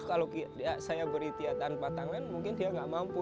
kalau saya beri tia tanpa tangan mungkin dia nggak mampu